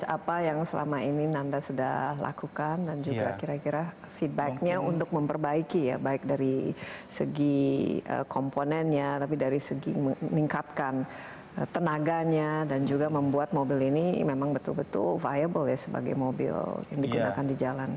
apa yang selama ini nanda sudah lakukan dan juga kira kira feedbacknya untuk memperbaiki ya baik dari segi komponennya tapi dari segi meningkatkan tenaganya dan juga membuat mobil ini memang betul betul viable ya sebagai mobil yang digunakan di jalan